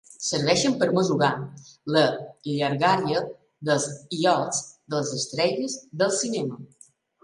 Serveixen per mesurar la llargària dels iots de les estrelles del cinema.